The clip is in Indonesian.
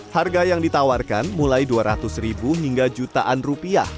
harga yang ditawarkan mulai dua ratus ribu hingga jutaan rupiah